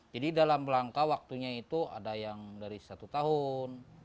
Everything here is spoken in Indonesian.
jadi dalam langkah waktunya itu ada yang dari satu tahun